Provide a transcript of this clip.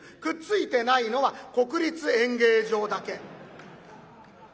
くっついてないのは国立演芸場だけ。